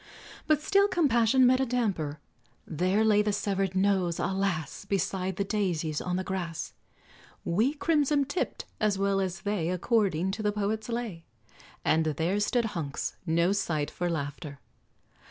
But still compassion met a damper; There lay the severed nose, alas! Beside the daisies on the grass, "Wee, crimson tipt" as well as they, According to the poet's lay: And there stood Hunks, no sight for laughter.